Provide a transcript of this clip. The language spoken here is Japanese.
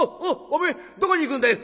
おめえどこに行くんだい？」。